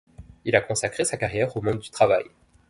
Il a consacré sa carrière au monde du travail.